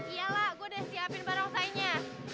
iya lah gue udah siapin barang sainnya